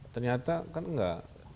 ternyata kan enggak